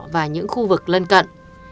và những khu vực lân cận